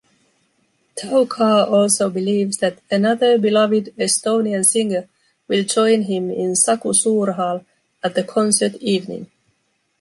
Taukar also believes that another beloved Estonian singer will join him in Saku Suurhall at the concert evening.